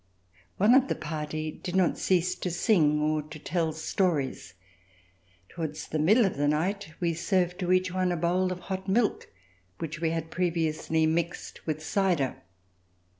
One of the party did not cease to sing or to tell stories. Towards the middle of the night we served to each one a bowl of hot milk which we had previously mixed with cider.